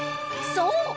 そう！